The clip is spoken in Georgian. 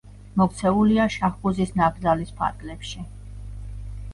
მოქცეულია შაჰბუზის ნაკრძალის ფარგლებში.